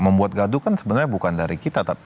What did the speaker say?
membuat gaduh kan sebenarnya bukan dari kita